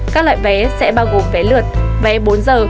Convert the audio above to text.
các loại vé sẽ bao gồm vé lượt vé bốn giờ